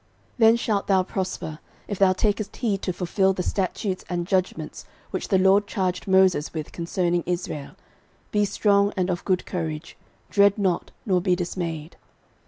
13:022:013 Then shalt thou prosper, if thou takest heed to fulfil the statutes and judgments which the LORD charged Moses with concerning Israel: be strong, and of good courage; dread not, nor be dismayed.